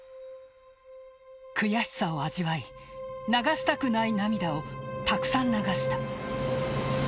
悔しさを味わい流したくない涙をたくさん流した。